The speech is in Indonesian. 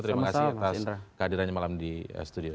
terima kasih atas kehadirannya malam di studio